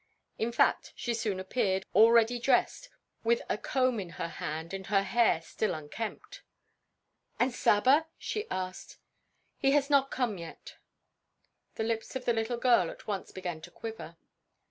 In fact, she soon appeared, already dressed, with a comb in her hand and her hair still unkempt. "And Saba?" she asked. "He has not come yet." The lips of the little girl at once began to quiver.